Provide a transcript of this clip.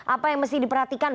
apa yang mesti diperhatikan